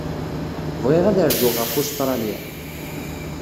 Bɣiɣ ad rzuɣ ɣef Ustṛalya.